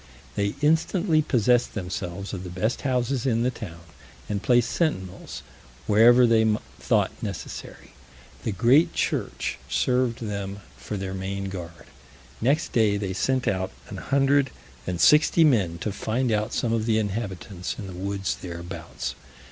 They instantly possessed themselves of the best houses in the town, and placed sentinels wherever they thought necessary; the great church served them for their main guard. Next day they sent out an hundred and sixty men to find out some of the inhabitants in the woods thereabouts.